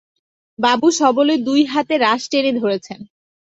বাবু সবলে দুই হাতে রাশ টেনে ধরেছেন।